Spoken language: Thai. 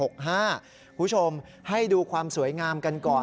คุณผู้ชมให้ดูความสวยงามกันก่อน